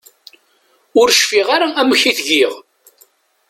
Ur cfiɣ ara amek i t-giɣ.